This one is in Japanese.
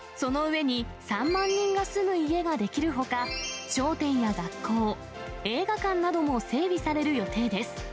その上に、３万人が住む家が出来るほか、商店や学校、映画館なども整備される予定です。